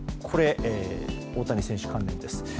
これ、大谷選手関連です。